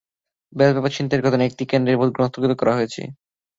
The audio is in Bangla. ব্যালট পেপার ছিনতাইয়ের ঘটনায় একটি কেন্দ্রের ভোট গ্রহণ স্থগিত করা হয়েছে।